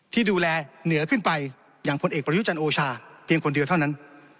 ที่ดูแลเหนือขึ้นไปอย่างพลเอกประยุจันทร์โอชาเพียงคนเดียวเท่านั้น